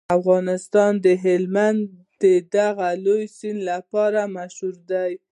افغانستان د هلمند د دغه لوی سیند لپاره مشهور دی.